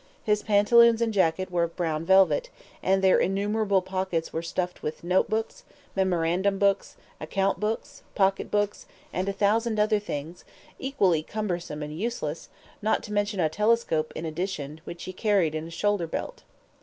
His pantaloons and jacket were of brown velvet, and their innumerable pockets were stuffed with note books, memorandum books, account books, pocket books, and a thousand other things equally cumbersome and useless, not to mention a telescope in addition, which he carried in a shoulder belt.